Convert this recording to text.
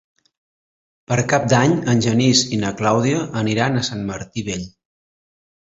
Per Cap d'Any en Genís i na Clàudia aniran a Sant Martí Vell.